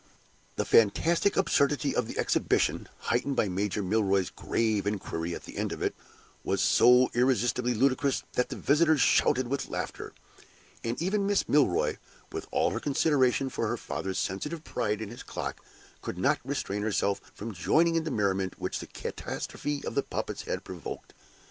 The fantastic absurdity of the exhibition, heightened by Major Milroy's grave inquiry at the end of it, was so irresistibly ludicrous that the visitors shouted with laughter; and even Miss Milroy, with all her consideration for her father's sensitive pride in his clock, could not restrain herself from joining in the merriment which the catastrophe of the puppets had provoked.